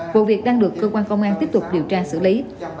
vụ việc đang được cơ quan công an tiếp tục điều tra xử lý